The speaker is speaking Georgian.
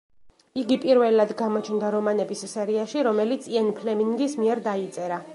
იგი პირველად გამოჩნდა რომანების სერიაში, რომელიც იენ ფლემინგის მიერ დაიწერა.